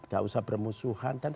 gak usah bermusuhan